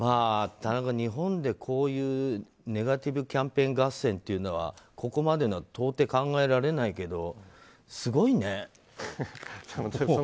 田中、日本でこういうネガティブキャンペーン合戦はここまでのは到底、考えられないけどすごいね。